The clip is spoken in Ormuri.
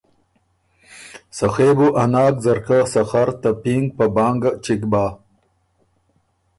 سخے بُو ا ناک ځرکۀ سخر ته پینګ په بانګ چِګ بَۀ۔